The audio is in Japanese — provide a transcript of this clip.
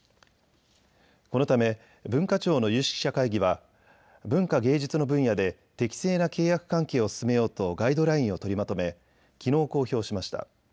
このため文化庁の有識者会議は文化芸術の分野で適正な契約関係を進めようとガイドラインを取りまとめきのう公表しました。